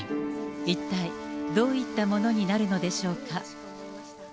一体、どういったものになるのでしょうか。